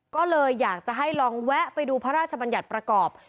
ก็เลยอยากจะให้ลองแวะไปดูพระราชบัญญัติประกอบ